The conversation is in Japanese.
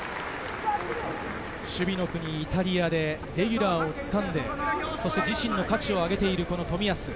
守備の国、イタリアでレギュラーをつかんで、自身の価値をあげている冨安。